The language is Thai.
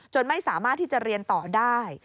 ไม่สามารถที่จะเรียนต่อได้